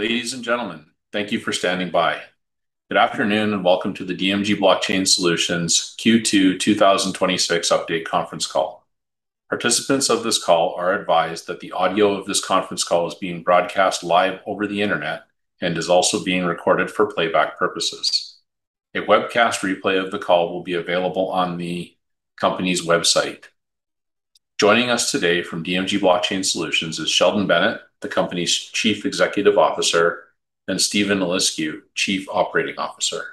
Ladies and gentlemen, thank you for standing by. Good afternoon, and welcome to the DMG Blockchain Solutions Q2 2026 update conference call. Participants of this call are advised that the audio of this conference call is being broadcast live over the internet and is also being recorded for playback purposes. A webcast replay of the call will be available on the company's website. Joining us today from DMG Blockchain Solutions is Sheldon Bennett, the company's Chief Executive Officer, and Steven Eliscu, Chief Operating Officer.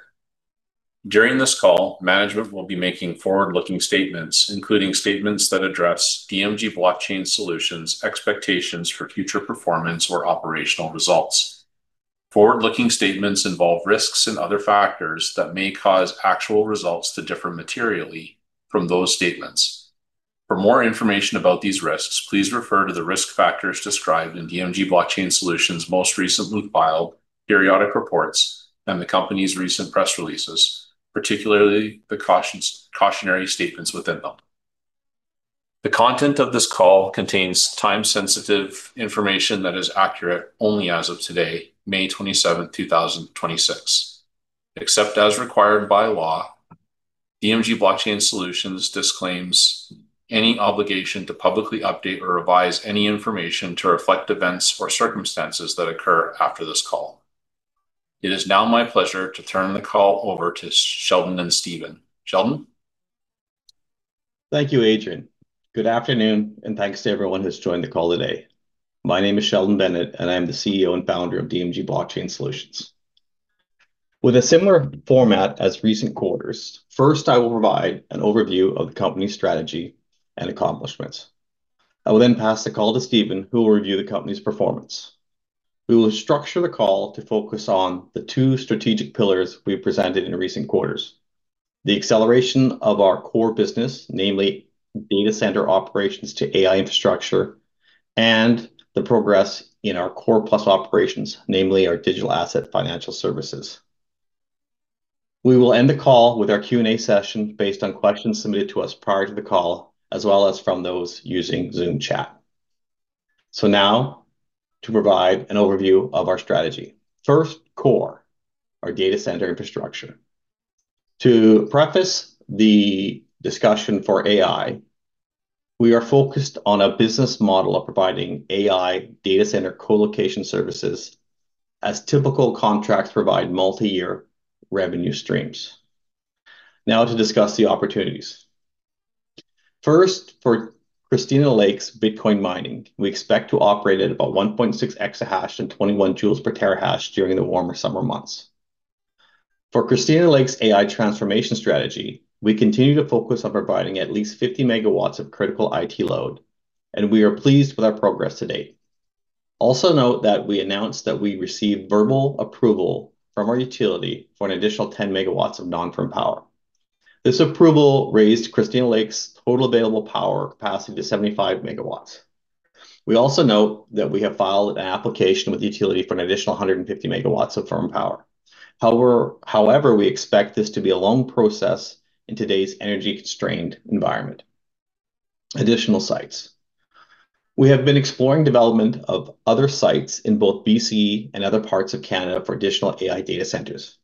During this call, management will be making forward-looking statements, including statements that address DMG Blockchain Solutions expectations for future performance or operational results. Forward-looking statements involve risks and other factors that may cause actual results to differ materially from those statements. For more information about these risks, please refer to the risk factors described in DMG Blockchain Solutions' most recently filed periodic reports and the company's recent press releases, particularly the cautionary statements within them. The content of this call contains time-sensitive information that is accurate only as of today, May 27th, 2026. Except as required by law, DMG Blockchain Solutions disclaims any obligation to publicly update or revise any information to reflect events or circumstances that occur after this call. It is now my pleasure to turn the call over to Sheldon and Steven. Sheldon? Thank you, Adrian. Good afternoon and thanks to everyone who's joined the call today. My name is Sheldon Bennett, and I'm the CEO and Founder of DMG Blockchain Solutions. With a similar format as recent quarters, first, I will provide an overview of the company strategy and accomplishments. I will then pass the call to Steven, who will review the company's performance. We will structure the call to focus on the two strategic pillars we've presented in recent quarters, the acceleration of our Core business, namely data center operations to AI infrastructure, and the progress in our Core+ operations, namely our digital asset financial services. We will end the call with our Q&A session based on questions submitted to us prior to the call, as well as from those using Zoom chat. Now, to provide an overview of our strategy. First, Core, our data center infrastructure. To preface the discussion for AI, we are focused on a business model of providing AI data center co-location services as typical contracts provide multi-year revenue streams. Now, to discuss the opportunities. First, for Christina Lake's Bitcoin mining, we expect to operate at about 1.6 EH/s and 21 J/TH during the warmer summer months. For Christina Lake's AI transformation strategy, we continue to focus on providing at least 50 MW of critical IT load, and we are pleased with our progress to date. Also note that we announced that we received verbal approval from our utility for an additional 10 MW of non-firm power. This approval raised Christina Lake's total available power capacity to 75 MW. We also note that we have filed an application with utility for an additional 150 MW of firm power. However, we expect this to be a long process in today's energy-constrained environment. Additional sites. We have been exploring development of other sites in both B.C. and other parts of Canada for additional AI data centers.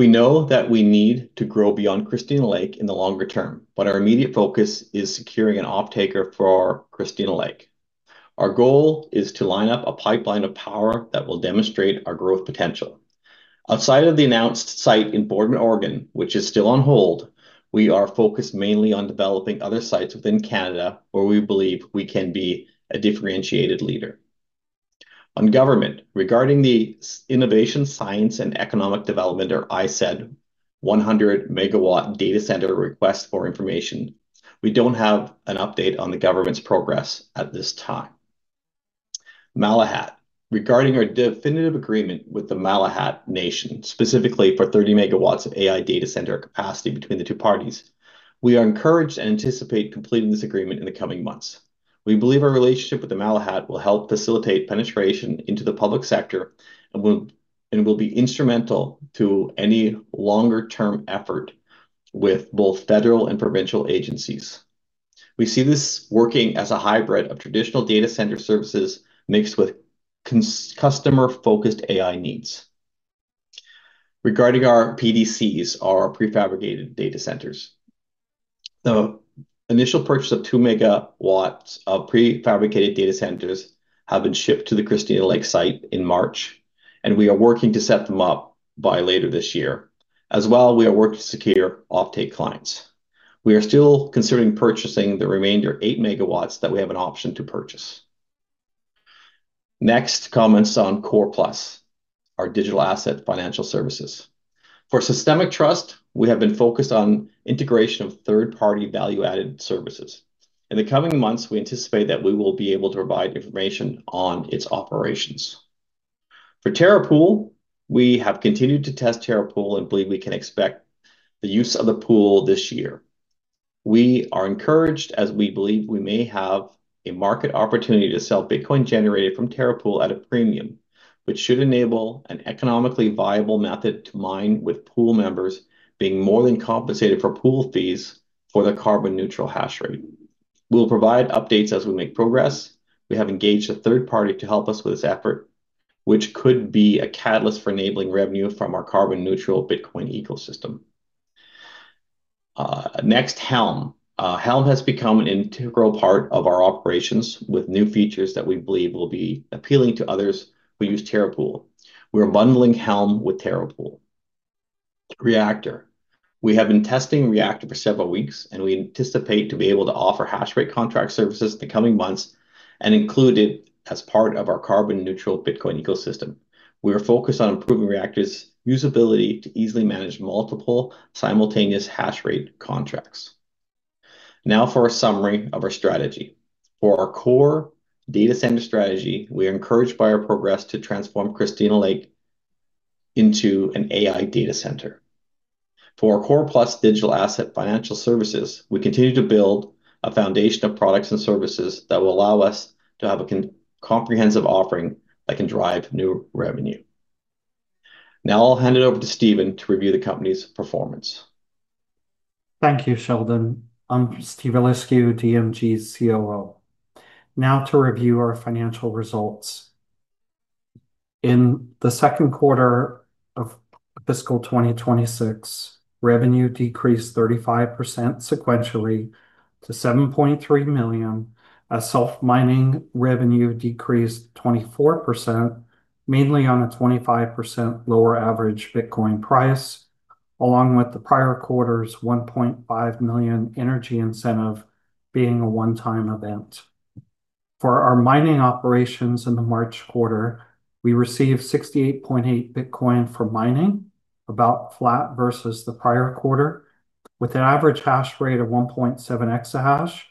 We know that we need to grow beyond Christina Lake in the longer term, but our immediate focus is securing an offtaker for Christina Lake. Our goal is to line up a pipeline of power that will demonstrate our growth potential. Outside of the announced site in Boardman, Oregon, which is still on hold, we are focused mainly on developing other sites within Canada where we believe we can be a differentiated leader. On government, regarding the Innovation, Science and Economic Development or ISED, 100 MW data center request for information, we don't have an update on the government's progress at this time. Malahat. Regarding our definitive agreement with the Malahat Nation, specifically for 30 MW of AI data center capacity between the two parties, we are encouraged and anticipate completing this agreement in the coming months. We believe our relationship with the Malahat will help facilitate penetration into the public sector and will be instrumental to any longer-term effort with both federal and provincial agencies. We see this working as a hybrid of traditional data center services mixed with customer-focused AI needs. Regarding our PDCs, our prefabricated data centers. The initial purchase of 2 MW of prefabricated data centers have been shipped to the Christina Lake site in March, and we are working to set them up by later this year. As well, we are working to secure offtake clients. We are still considering purchasing the remainder 8 MW that we have an option to purchase. Next, comments on Core+, our digital asset financial services. For Systemic Trust, we have been focused on integration of third-party value-added services. In the coming months, we anticipate that we will be able to provide information on its operations. For Terra Pool, we have continued to test Terra Pool and believe we can expect the use of the pool this year. We are encouraged as we believe we may have a market opportunity to sell Bitcoin generated from Terra Pool at a premium, which should enable an economically viable method to mine with pool members being more than compensated for pool fees for the carbon neutral hash rate. We'll provide updates as we make progress. We have engaged a third party to help us with this effort, which could be a catalyst for enabling revenue from our carbon neutral Bitcoin ecosystem. Next, Helm. Helm has become an integral part of our operations with new features that we believe will be appealing to others who use Terra Pool. We're bundling Helm with Terra Pool. Reactor. We have been testing Reactor for several weeks, and we anticipate to be able to offer hash rate contract services in the coming months and include it as part of our carbon neutral Bitcoin ecosystem. We are focused on improving Reactor's usability to easily manage multiple simultaneous hash rate contracts. Now, for a summary of our strategy. For our Core data center strategy, we are encouraged by our progress to transform Christina Lake into an AI data center. For our Core+ digital asset financial services, we continue to build a foundation of products and services that will allow us to have a comprehensive offering that can drive new revenue. Now, I'll hand it over to Steven to review the company's performance. Thank you, Sheldon. I'm Steven Eliscu, DMG's COO. Now, to review our financial results. In the second quarter of fiscal 2026, revenue decreased 35% sequentially to 7.3 million as self-mining revenue decreased 24%, mainly on a 25% lower average Bitcoin price, along with the prior quarter's 1.5 million energy incentive being a one-time event. For our mining operations in the March quarter, we received 68.8 Bitcoin from mining, about flat versus the prior quarter, with an average hash rate of 1.7 EH/s,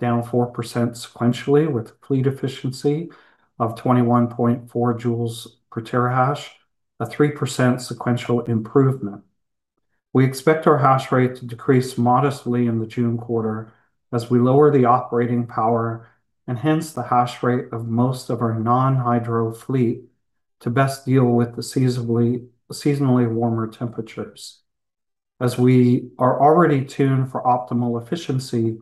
down 4% sequentially with fleet efficiency of 21.4 J/TH, a 3% sequential improvement. We expect our hash rate to decrease modestly in the June quarter as we lower the operating power and hence the hash rate of most of our non-hydro fleet to best deal with the seasonally warmer temperatures. As we are already tuned for optimal efficiency,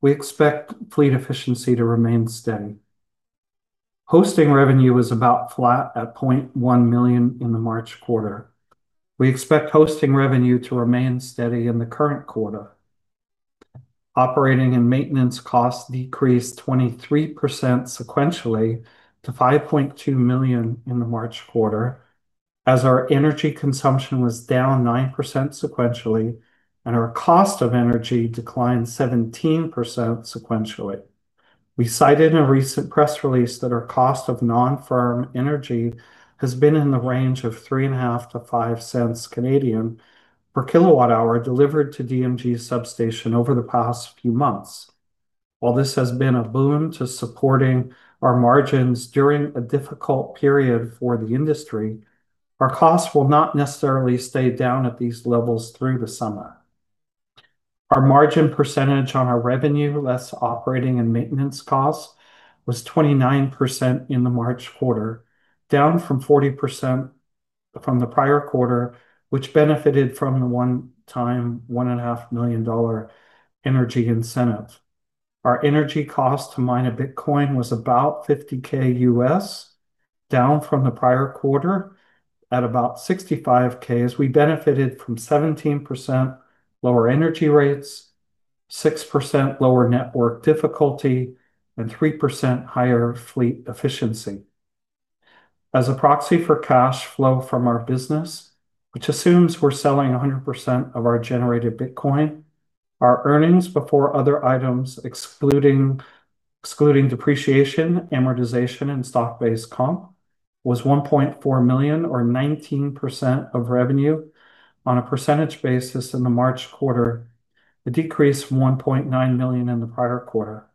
we expect fleet efficiency to remain steady. Hosting revenue was about flat at 0.1 million in the March quarter. We expect hosting revenue to remain steady in the current quarter. Operating and maintenance costs decreased 23% sequentially to 5.2 million in the March quarter as our energy consumption was down 9% sequentially and our cost of energy declined 17% sequentially. We cited in a recent press release that our cost of non-firm energy has been in the range of 0.035/kWh-0.05/kWh delivered to DMG's substation over the past few months. While this has been a boom to supporting our margins during a difficult period for the industry, our costs will not necessarily stay down at these levels through the summer. Our margin percentage on our revenue, less operating and maintenance costs, was 29% in the March quarter, down from 40% from the prior quarter, which benefited from a one-time 1.5 million dollar energy incentive. Our energy cost to mine a Bitcoin was about $50,000, down from the prior quarter at about $65,000 as we benefited from 17% lower energy rates, 6% lower network difficulty, and 3% higher fleet efficiency. As a proxy for cash flow from our business, which assumes we're selling 100% of our generated Bitcoin, our earnings before other items excluding depreciation, amortization, and stock-based comp was 1.4 million or 19% of revenue on a percentage basis in the March quarter, a decrease from 1.9 million in the prior quarter.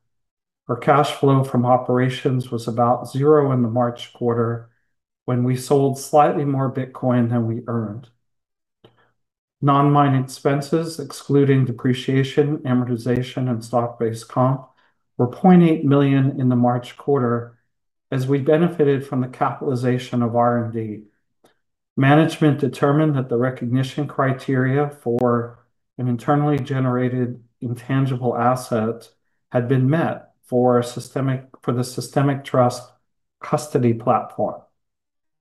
Our cash flow from operations was about zero in the March quarter when we sold slightly more Bitcoin than we earned. Non-mine expenses, excluding depreciation, amortization, and stock-based comp, were 0.8 million in the March quarter as we benefited from the capitalization of R&D. Management determined that the recognition criteria for an internally generated intangible asset had been met for the Systemic Trust custody platform.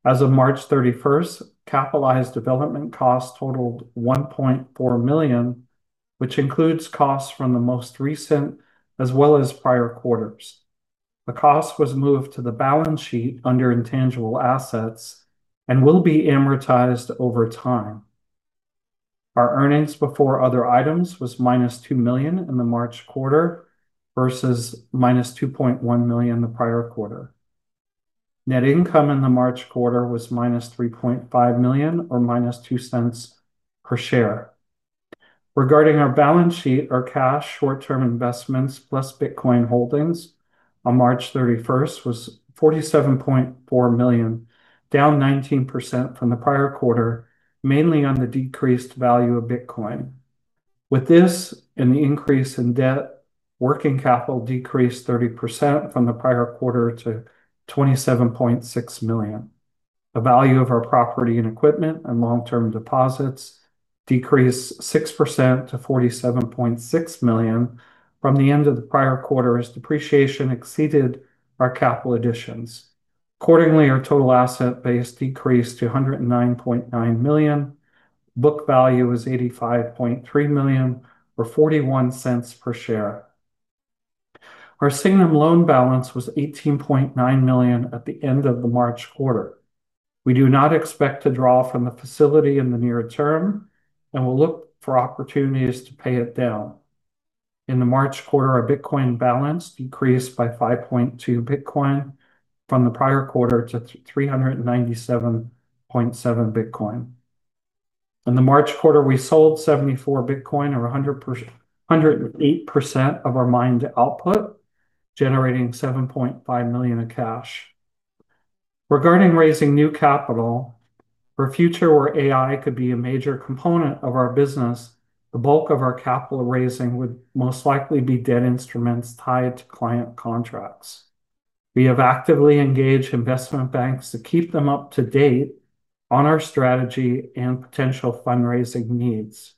As of March 31st, capitalized development costs totaled 1.4 million, which includes costs from the most recent as well as prior quarters. The cost was moved to the balance sheet under intangible assets and will be amortized over time. Our earnings before other items was -2 million in the March quarter versus -2.1 million the prior quarter. Net income in the March quarter was -3.5 million or -0.02 per share. Regarding our balance sheet, our cash, short-term investments, plus Bitcoin holdings on March 31st was 47.4 million, down 19% from the prior quarter, mainly on the decreased value of Bitcoin. With this and the increase in debt, working capital decreased 30% from the prior quarter to 27.6 million. The value of our property and equipment and long-term deposits decreased 6% to 47.6 million from the end of the prior quarter as depreciation exceeded our capital additions. Accordingly, our total asset base decreased to 109.9 million. Book value is 85.3 million, or 0.41 per share. Our Sygnum loan balance was 18.9 million at the end of the March quarter. We do not expect to draw from the facility in the near term, and we'll look for opportunities to pay it down. In the March quarter, our Bitcoin balance decreased by 5.2 Bitcoin from the prior quarter to 397.7 Bitcoin. In the March quarter, we sold 74 Bitcoin, or 108% of our mined output, generating 7.5 million in cash. Regarding raising new capital for a future where AI could be a major component of our business, the bulk of our capital raising would most likely be debt instruments tied to client contracts. We have actively engaged investment banks to keep them up to date on our strategy and potential fundraising needs.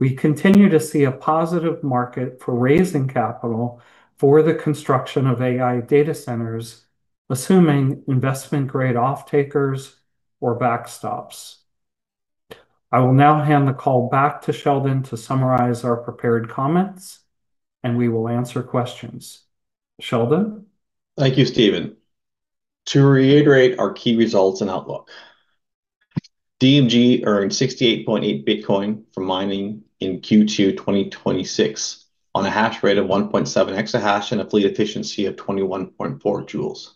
We continue to see a positive market for raising capital for the construction of AI data centers, assuming investment-grade offtakers or backstops. I will now hand the call back to Sheldon to summarize our prepared comments, and we will answer questions. Sheldon? Thank you, Steven. To reiterate our key results and outlook, DMG earned 68.8 Bitcoin from mining in Q2 2026 on a hash rate of 1.7 EH/s and a fleet efficiency of 21.4 J/TH.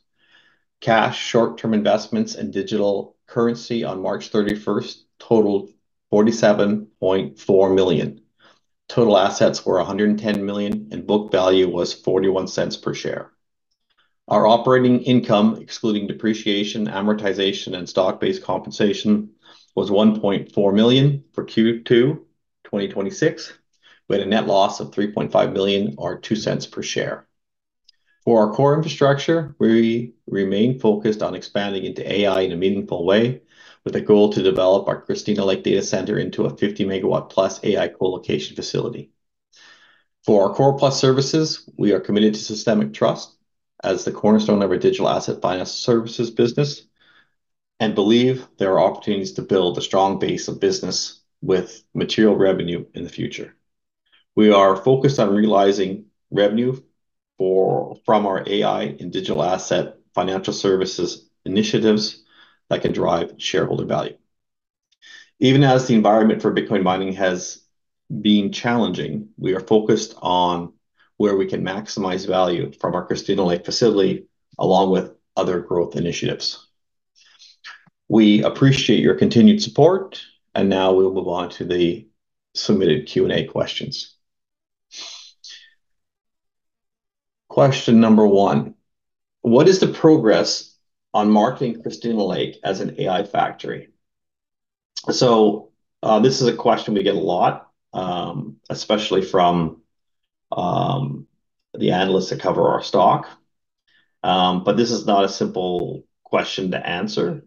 Cash, short-term investments, and digital currency on March 31st totaled 47.4 million. Total assets were 110 million, and book value was 0.41 per share. Our operating income, excluding depreciation, amortization, and stock-based compensation, was 1.4 million for Q2 2026. We had a net loss of 3.5 million, or 0.02 per share. For our core infrastructure, we remain focused on expanding into AI in a meaningful way with a goal to develop our Christina Lake data center into a 50-MW+ AI colocation facility. For our Core+ services, we are committed to Systemic Trust as the cornerstone of our digital asset finance services business and believe there are opportunities to build a strong base of business with material revenue in the future. We are focused on realizing revenue from our AI and digital asset financial services initiatives that can drive shareholder value. Even as the environment for Bitcoin mining has been challenging, we are focused on where we can maximize value from our Christina Lake facility, along with other growth initiatives. We appreciate your continued support, and now, we'll move on to the submitted Q&A questions. Question number one: What is the progress on marketing Christina Lake as an AI factory? This is a question we get a lot, especially from the analysts that cover our stock. This is not a simple question to answer,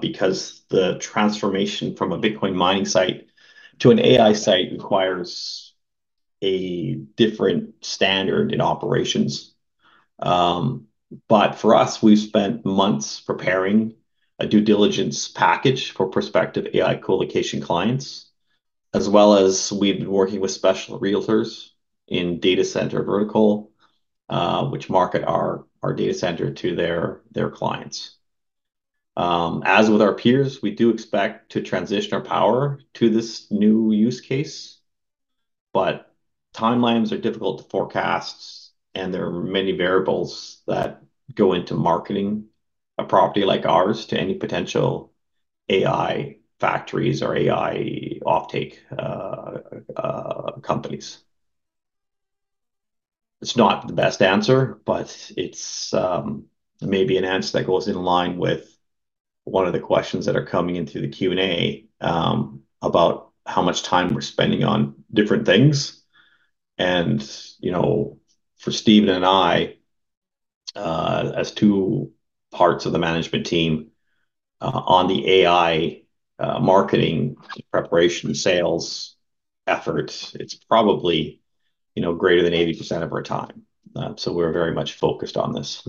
because the transformation from a Bitcoin mining site to an AI site requires a different standard in operations. For us, we've spent months preparing a due diligence package for prospective AI colocation clients, as well as we've been working with special realtors in data center vertical, which market our data center to their clients. As with our peers, we do expect to transition our power to this new use case, but timelines are difficult to forecast, and there are many variables that go into marketing a property like ours to any potential AI factories or AI offtake companies. It's not the best answer, but it's maybe an answer that goes in line with one of the questions that are coming into the Q&A about how much time we're spending on different things. For Steven and I, as two parts of the management team, on the AI marketing preparation sales efforts, it's probably greater than 80% of our time. We're very much focused on this.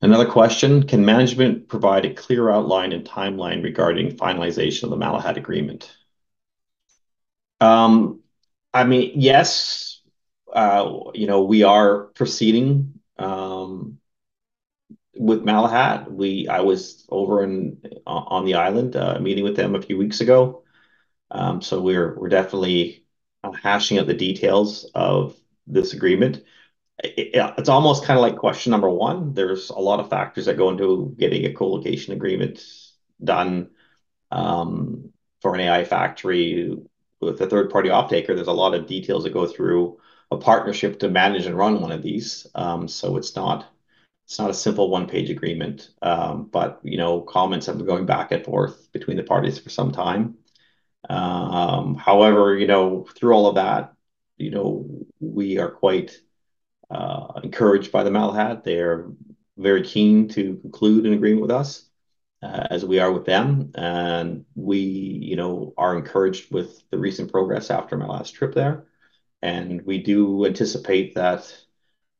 Another question: Can management provide a clear outline and timeline regarding finalization of the Malahat agreement? Yes. We are proceeding with Malahat. I was over on the island meeting with them a few weeks ago. We're definitely hashing out the details of this agreement. It's almost kind of like question number one. There's a lot of factors that go into getting a colocation agreement done for an AI factory with a third-party offtaker. There's a lot of details that go through a partnership to manage and run one of these. It's not a simple one-page agreement. Comments have been going back and forth between the parties for some time. However, through all of that, we are quite encouraged by the Malahat. They're very keen to conclude an agreement with us, as we are with them. We are encouraged with the recent progress after my last trip there. We do anticipate that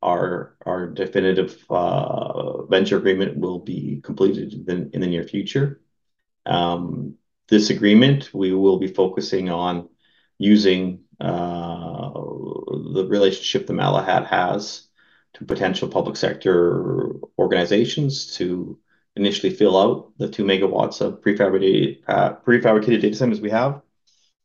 our definitive venture agreement will be completed in the near future. This agreement, we will be focusing on using the relationship the Malahat has to potential public sector organizations to initially fill out the 2 MW of prefabricated data centers we have.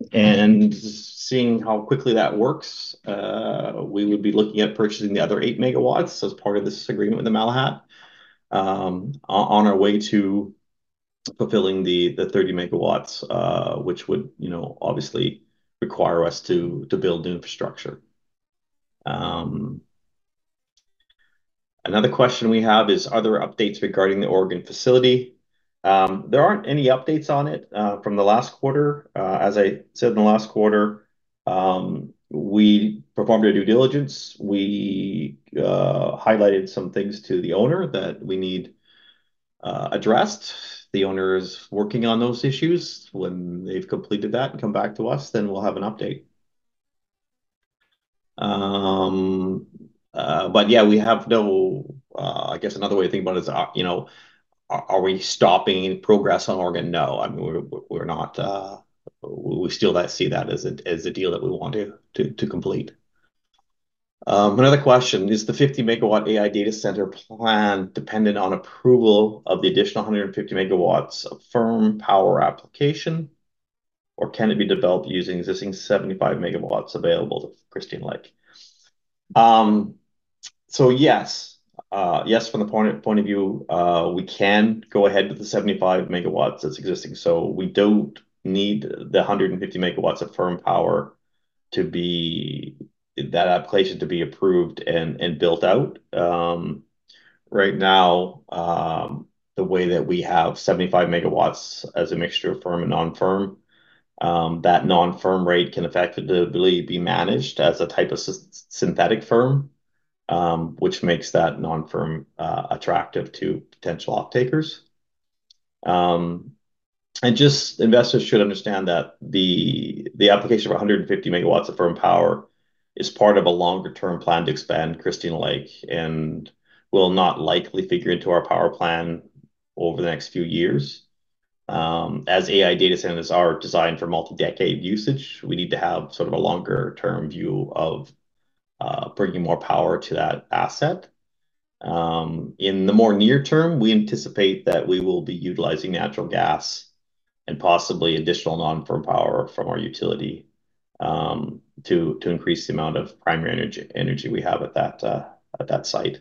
Seeing how quickly that works, we would be looking at purchasing the other 8 MW as part of this agreement with the Malahat on our way to fulfilling the 30 MW, which would obviously require us to build new infrastructure. Another question we have is: Are there updates regarding the Oregon facility? There aren't any updates on it from the last quarter. As I said in the last quarter, we performed our due diligence. We highlighted some things to the owner that we need addressed. The owner is working on those issues. When they've completed that and come back to us, then we'll have an update. Yeah, we have no, I guess another way to think about it is, are we stopping progress on Oregon? No. We still see that as a deal that we want to complete. Another question, is the 50-MW AI data center plan dependent on approval of the additional 150 MW of firm power application, or can it be developed using existing 75 MW available to Christina Lake? Yes. Yes, from the point of view, we can go ahead with the 75 MW that's existing. We don't need the 150 MW of firm power to be, that application to be approved and built out. Right now, the way that we have 75 MW as a mixture of firm and non-firm, that non-firm rate can effectively be managed as a type of synthetic firm, which makes that non-firm attractive to potential offtakers. Just investors should understand that the application of 150 MW of firm power is part of a longer term plan to expand Christina Lake and will not likely figure into our power plan over the next few years. As AI data centers are designed for multi-decade usage, we need to have sort of a longer term view of bringing more power to that asset. In the more near term, we anticipate that we will be utilizing natural gas and possibly additional non-firm power from our utility to increase the amount of primary energy we have at that site.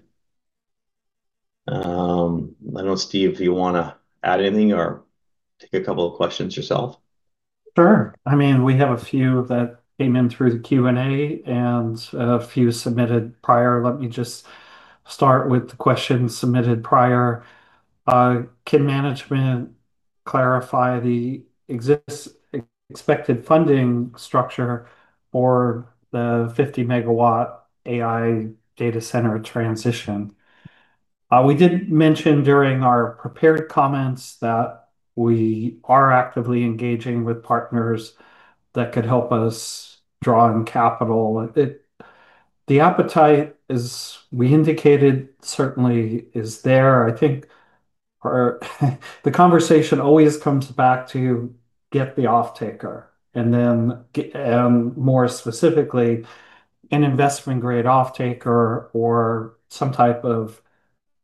I don't know, Steve, if you want to add anything or take a couple of questions yourself? Sure. We have a few that came in through the Q&A and a few submitted prior. Let me just start with the questions submitted prior. Can management clarify the expected funding structure for the 50-MW AI data center transition? We did mention during our prepared comments that we are actively engaging with partners that could help us draw in capital. The appetite, as we indicated, certainly is there. I think the conversation always comes back to get the offtaker, and more specifically, an investment grade offtaker or some type of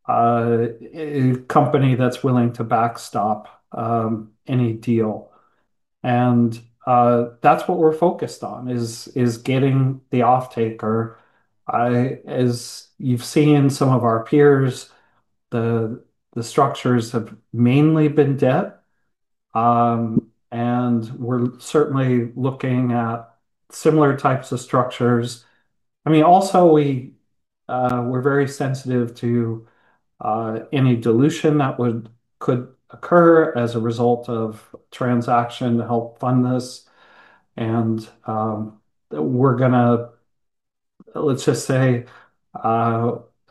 company that's willing to backstop any deal. That's what we're focused on, is getting the offtaker. As you've seen some of our peers, the structures have mainly been debt, and we're certainly looking at similar types of structures. Also, we're very sensitive to any dilution that could occur as a result of transaction to help fund this. We're going to, let's just say,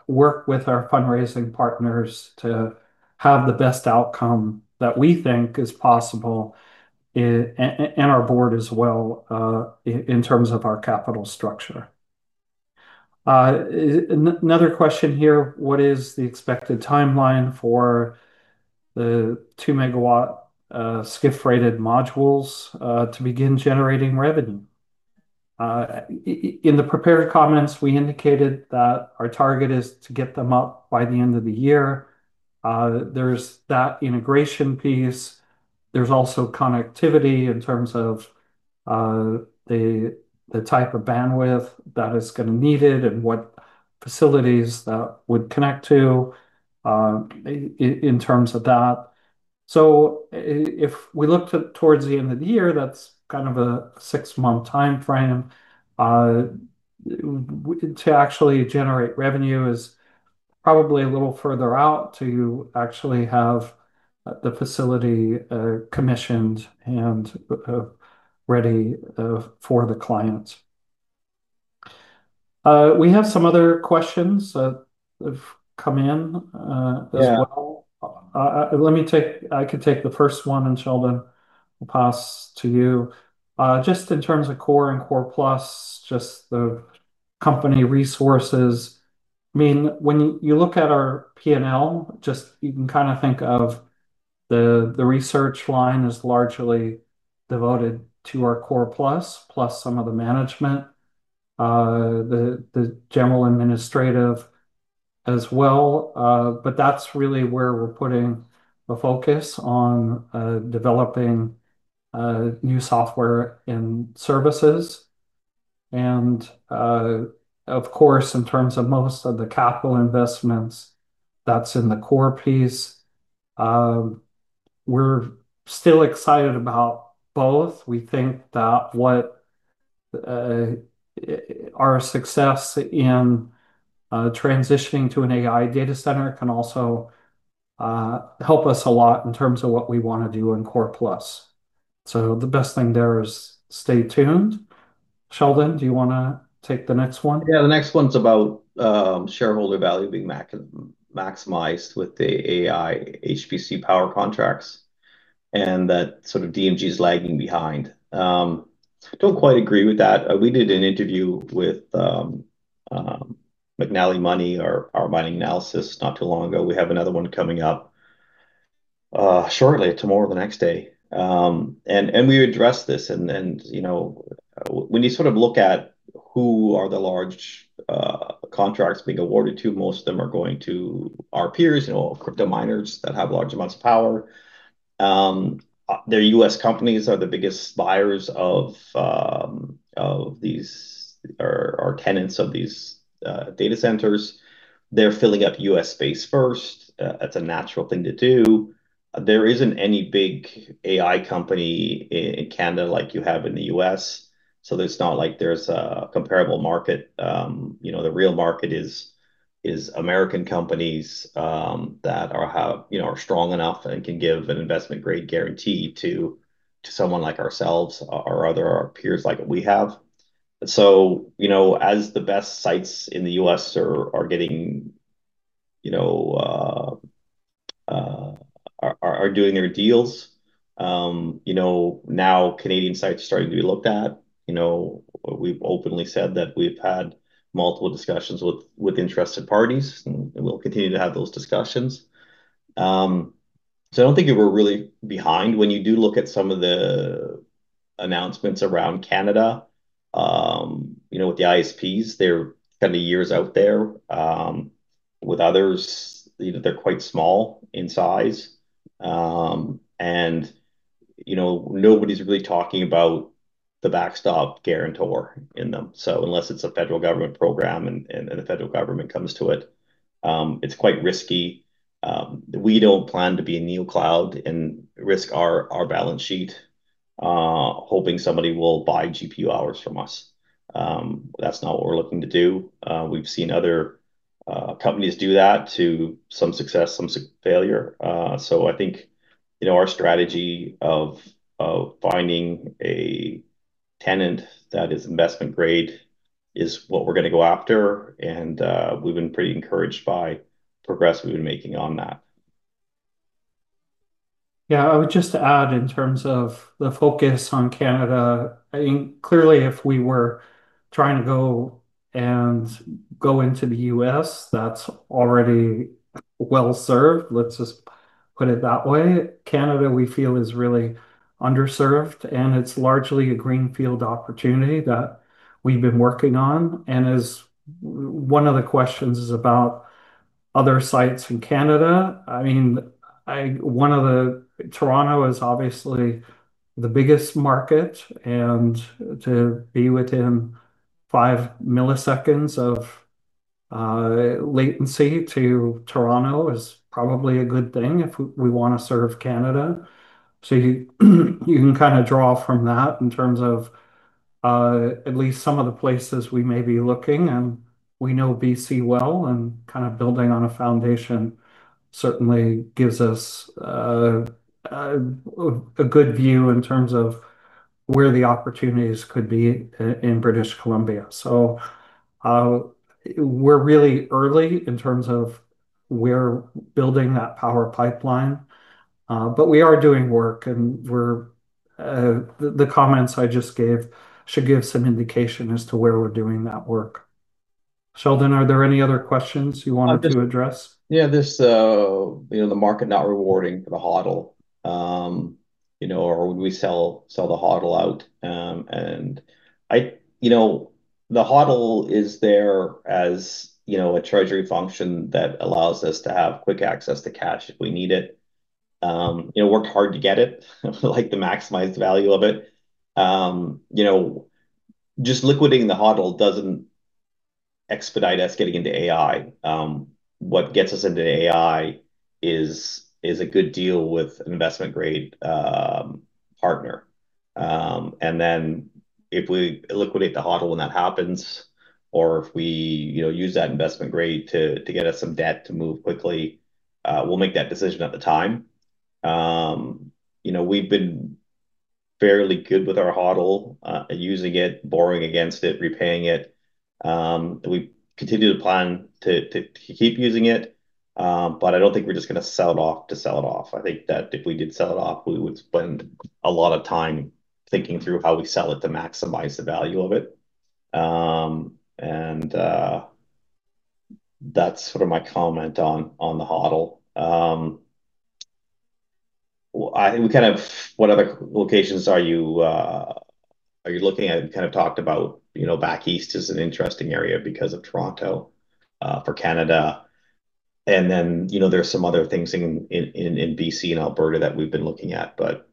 work with our fundraising partners to have the best outcome that we think is possible, and our board as well, in terms of our capital structure. Another question here, what is the expected timeline for the 2-MW SCIF-rated modules to begin generating revenue? In the prepared comments, we indicated that our target is to get them up by the end of the year. There's that integration piece. There's also connectivity in terms of the type of bandwidth that is going to be needed and what facilities that would connect to in terms of that. If we look towards the end of the year, that's kind of a six-month timeframe. To actually generate revenue is probably a little further out till you actually have the facility commissioned and ready for the client. We have some other questions that have come in as well. Yeah I could take the first one, and Sheldon, I'll pass to you. Just in terms of Core and Core+, just the company resources, when you look at our P&L, you can think of the research line as largely devoted to our Core+, plus some of the management, the general administrative as well. That's really where we're putting the focus on developing new software and services and, of course, in terms of most of the capital investments, that's in the Core piece. We're still excited about both. We think that what our success in transitioning to an AI data center can also help us a lot in terms of what we want to do in Core+. The best thing there is stay tuned. Sheldon, do you want to take the next one? Yeah, the next one's about shareholder value being maximized with the AI HPC power contracts, and that sort of DMG is lagging behind. Don't quite agree with that. We did an interview with McNallie Money, our mining analysis, not too long ago. We have another one coming up shortly, tomorrow or the next day. We addressed this, and when you sort of look at who are the large contracts being awarded to, most of them are going to our peers, crypto miners that have large amounts of power. The U.S. companies are the biggest buyers of these, or tenants of these data centers. They're filling up U.S. space first. That's a natural thing to do. There isn't any big AI company in Canada like you have in the U.S., so it's not like there's a comparable market. The real market is American companies that are strong enough and can give an investment-grade guarantee to someone like ourselves or other peers like we have. As the best sites in the U.S. are doing their deals, now, Canadian sites are starting to be looked at. We've openly said that we've had multiple discussions with interested parties, and we'll continue to have those discussions. I don't think we're really behind. When you do look at some of the announcements around Canada, with the ISPs, they're kind of years out there. With others, they're quite small in size. Nobody's really talking about the backstop guarantor in them. Unless it's a federal government program and the federal government comes to it, it's quite risky. We don't plan to be a new cloud and risk our balance sheet hoping somebody will buy GPU hours from us. That's not what we're looking to do. We've seen other companies do that to some success, some failure. I think our strategy of finding a tenant that is investment grade is what we're going to go after, and we've been pretty encouraged by progress we've been making on that. Yeah, I would just add in terms of the focus on Canada, I think clearly if we were trying to go and go into the U.S., that's already well-served. Let's just put it that way. Canada, we feel, is really underserved. It's largely a greenfield opportunity that we've been working on. As one of the questions is about other sites in Canada, I mean, Toronto is obviously the biggest market. To be within 5 ms of latency to Toronto is probably a good thing if we want to serve Canada. You can draw from that in terms of at least some of the places we may be looking. We know B.C. well, and kind of building on a foundation certainly gives us a good view in terms of where the opportunities could be in British Columbia. We're really early in terms of we're building that power pipeline. We are doing work, and the comments I just gave should give some indication as to where we're doing that work. Sheldon, are there any other questions you wanted to address? Yeah. The market not rewarding the HODL. Would we sell the HODL out? The HODL is there as a treasury function that allows us to have quick access to cash if we need it. We worked hard to get it, the maximized value of it. Just liquidating the HODL doesn't expedite us getting into AI. What gets us into AI is a good deal with an investment-grade partner. If we liquidate the HODL when that happens, or if we use that investment grade to get us some debt to move quickly, we'll make that decision at the time. We've been fairly good with our HODL, using it, borrowing against it, repaying it. We continue to plan to keep using it, but I don't think we're just going to sell it off to sell it off. I think that if we did sell it off, we would spend a lot of time thinking through how we sell it to maximize the value of it. That's sort of my comment on the HODL. What other locations are you looking at? We talked about back east is an interesting area because of Toronto, for Canada. There's some other things in B.C. and Alberta that we've been looking at, but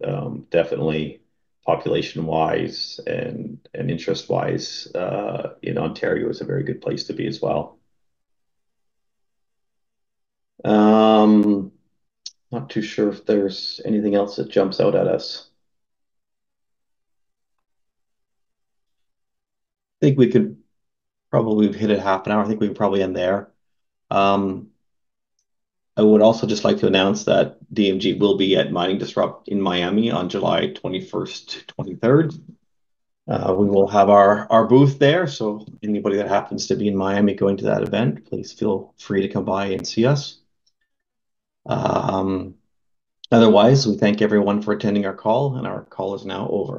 definitely, population-wise and interest-wise, Ontario is a very good place to be as well. I'm not too sure if there's anything else that jumps out at us. I think we could probably have hit it half an hour. I think we can probably end there. I would also just like to announce that DMG will be at Mining Disrupt in Miami on July 21st to 23rd. We will have our booth there, so anybody that happens to be in Miami going to that event, please feel free to come by and see us. Otherwise, we thank everyone for attending our call, and our call is now over.